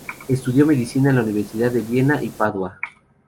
Estudió medicina en la Universidad de Viena y Padua.